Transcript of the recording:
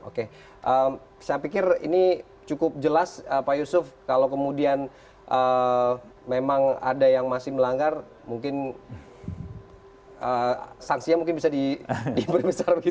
oke saya pikir ini cukup jelas pak yusuf kalau kemudian memang ada yang masih melanggar mungkin sanksinya mungkin bisa diberi besar begitu